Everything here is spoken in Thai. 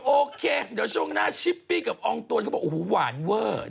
โอเคเดี๋ยวช่วงหน้าชิปปี้กับอองตวนเขาบอกโอ้โหหวานเวอร์